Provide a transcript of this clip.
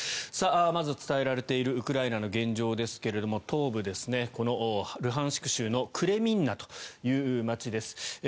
まず伝えられているウクライナの現状ですが東部ルハンシク州のクレミンナという街です。